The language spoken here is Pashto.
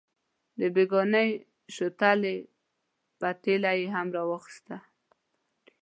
د بېګانۍ شوتلې پتیله یې هم راواخیسته.